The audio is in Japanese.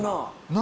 何？